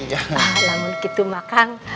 namun gitu mah kang